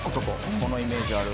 「このイメージある」